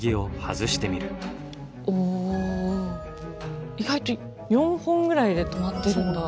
お意外と４本ぐらいで留まってるんだ。